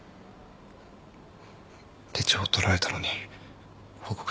手帳を取られたのに報告しなかった。